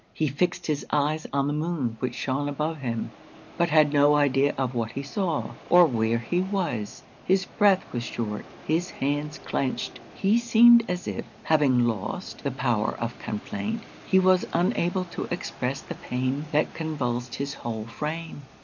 He fixed his eyes on the moon which shone above him, but had no idea of what he saw, or where he was; his breath was short, his hands clenched; he seemed as if, having lost the power of complaint, he was unable to express the pain that convulsed his whole frame.